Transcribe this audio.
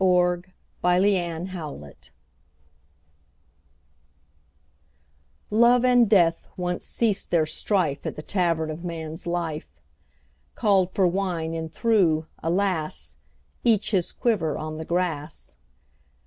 THE EXPLANATION Love and Death once ceased their strife At the Tavern of Man's Life. Called for wine, and threw — alas! — Each his quiver on the grass.